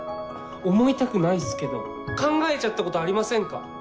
思いたくないっすけど考えちゃったことありませんか？